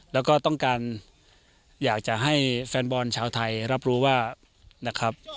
แล้วก็ต้องการอยากจะให้แฟนบอลชาวไทยรับรู้ว่านะครับ